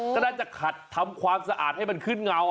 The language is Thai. ก็น่าจะขัดทำความสะอาดให้มันขึ้นเงา